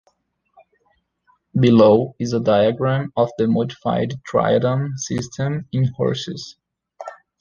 Below is a diagram of the modified triadan system in horses.